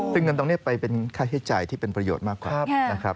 ซึ่งเงินตรงนี้ไปเป็นค่าใช้จ่ายที่เป็นประโยชน์มากกว่านะครับ